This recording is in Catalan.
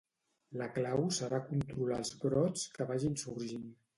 La clau serà controlar els brots que vagin sorgint.